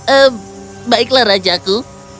ehm baiklah rajaku